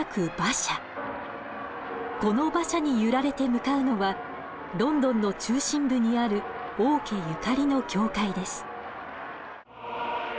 この馬車に揺られて向かうのはロンドンの中心部にある王家ゆかりの教会です。